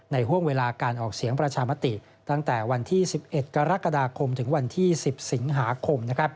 ห่วงเวลาการออกเสียงประชามติตั้งแต่วันที่๑๑กรกฎาคมถึงวันที่๑๐สิงหาคม